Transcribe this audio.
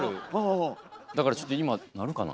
だからちょっと今鳴るかな。